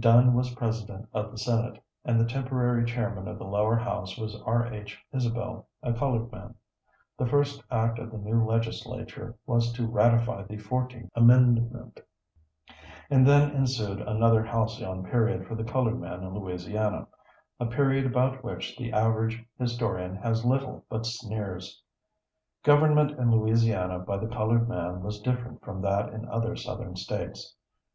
Dunn was President of the Senate, and the temporary chairman of the lower house was R. H. Isabelle, a colored man. The first act of the new legislature was to ratify the Fourteenth Amendment. And then ensued another halcyon period for the colored man in Louisiana, a period about which the average historian has little but sneers. Government in Louisiana by the colored man was different from that in other Southern States.